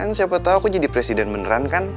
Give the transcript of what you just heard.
dan siapa tau aku jadi presiden beneran kan